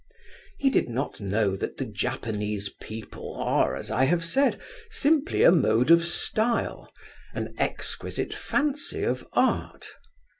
He did not know that the Japanese people are, as I have said, simply a mode of style, an exquisite fancy of art.